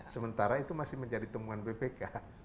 sementara itu masih menjadi temuan bpk